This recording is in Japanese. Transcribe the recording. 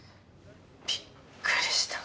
びっくりした。